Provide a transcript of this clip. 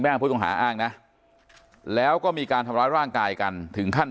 ผู้ต้องหาอ้างนะแล้วก็มีการทำร้ายร่างกายกันถึงขั้น